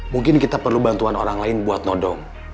mungkin kita perlu bantuan orang lain buat nodong